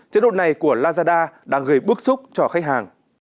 chế độ này của lazada đang gây bức xúc cho khách hàng